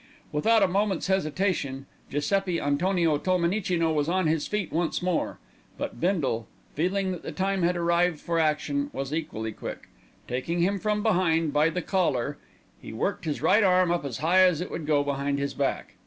Without a moment's hesitation Giuseppi Antonio Tolmenicino was on his feet once more; but Bindle, feeling that the time had arrived for action, was equally quick. Taking him from behind by the collar he worked his right arm up as high as it would go behind his back.